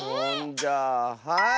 じゃあはい！